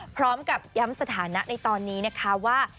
พร้อมกับย้ำสถานะในตอนนี้นะคะว่า